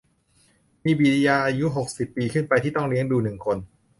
มีบิดาอายุ หกสิบ ปีขึ้นไป ที่ต้องเลี้ยงดู หนึ่ง คน